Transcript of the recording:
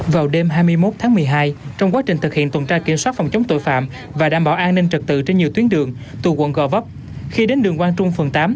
vào đêm hai mươi một tháng một mươi hai trong quá trình thực hiện tuần tra kiểm soát phòng chống tội phạm và đảm bảo an ninh trật tự trên nhiều tuyến đường từ quận gò vấp khi đến đường quang trung phường tám